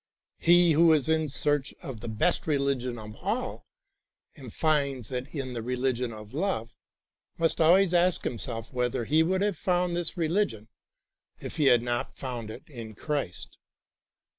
He who is in search of the best religion of all and finds it in the religion of love must ask himself whether he would have found this religion if he had not found it in Christ.